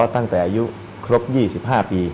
ตั้งแต่อายุครบ๒๕ปี